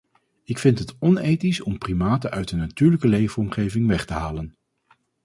Ik vind het onethisch om primaten uit hun natuurlijke leefomgeving weg te halen.